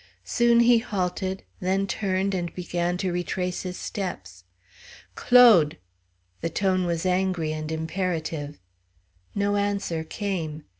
Soon he halted; then turned, and began to retrace his steps. "Claude!" The tone was angry and imperative. No answer came.